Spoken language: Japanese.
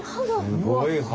すごい歯。